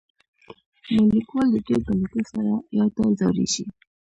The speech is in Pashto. نو ليکوال د دوي په ليدو سره يو ډول ځوريږي.